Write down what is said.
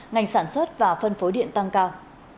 ngành sản xuất và phân phối điện tăng cao